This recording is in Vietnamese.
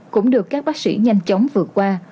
cũng được các bác sĩ nhanh chóng vượt qua